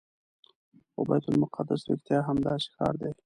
خو بیت المقدس رښتیا هم داسې ښار دی.